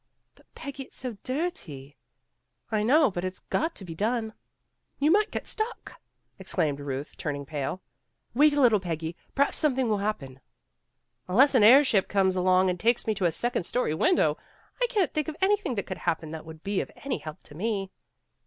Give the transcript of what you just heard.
"But, Peggy, it's so dirty." "I know, but it's got to be done." '' You might get stuck, '' exclaimed Ruth, turn ing pale. "Wait a little, Peggy. Perhaps something will happen." "Unless an air ship comes along and takes me to a second story window, I can't think of anything that could happen that would be of any help to me."